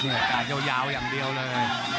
อากาศยาวอย่างเดียวเลย